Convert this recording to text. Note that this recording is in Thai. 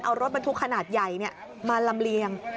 เอารถมันทุกขนาดใหญ่นี่มาลำเรียง